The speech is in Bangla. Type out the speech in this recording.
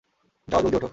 যাও জলদি ওঠো।